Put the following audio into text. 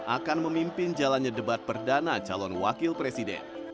akan memimpin jalannya debat perdana calon wakil presiden